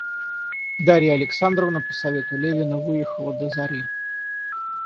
Дарья Александровна по совету Левина выехала до зари.